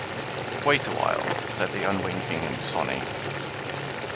"Wait a while," said the unwinking Sonny.